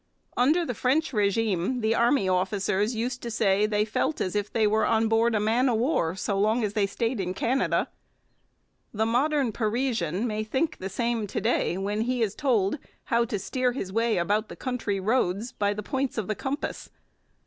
Under the French régime the army officers used to say they felt as if they were on board a man of war as long as they stayed in Canada. The modern Parisian may think the same to day when he is told how to steer his way about the country roads by the points of the compass.